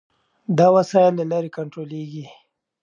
دا وسایل له لرې کنټرولېږي.